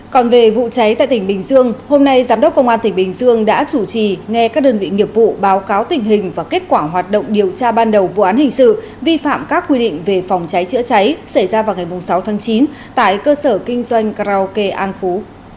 còn về vụ cháy tại tỉnh bình dương hôm nay giám đốc công an tỉnh bình dương đã chủ trì nghe các đơn vị nghiệp vụ báo cáo tình hình và kết quả hoạt động điều tra ban đầu vụ án hình sự vi phạm các quy định về phòng cháy chữa cháy xảy ra vào ngày sáu tháng chín tại cơ sở kinh doanh karaoke an phú